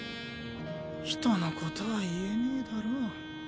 人のことは言えねぇだろ。